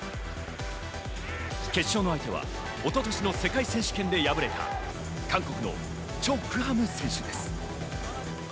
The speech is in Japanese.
決勝の相手は一昨年の世界選手権で敗れた韓国のチョ・グハム選手です。